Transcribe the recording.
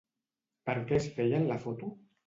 Per què es feien la foto?